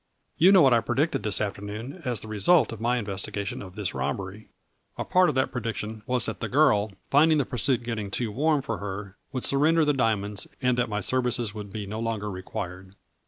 You know what I predicted this afternoon as the result of my investigation of this robbery. A part of that prediction was that the girl, find ing the pursuit getting too warm for her, would surrender the diamonds, and that my services would be no longer required.